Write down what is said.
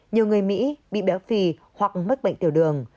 nhiều người mỹ bị béo phì hoặc mất bệnh tiểu đường